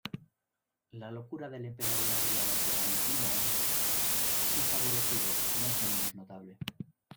La locura del emperador Adriano por Antínoo su favorecido, no fue menos notable.